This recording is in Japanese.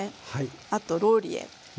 あとローリエ。